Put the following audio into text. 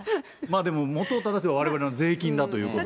でも、もとをただせば、われわれの税金だということで。